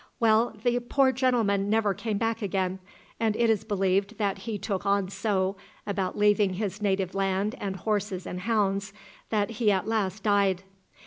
Well, the poor gentleman never came back again, and it is believed that he took on so, about leaving his native land and horses and hounds, that he at last died.